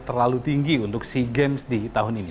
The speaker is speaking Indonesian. terlalu tinggi untuk sea games di tahun ini